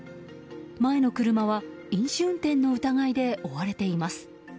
前の車は飲酒運転の疑いで追われています。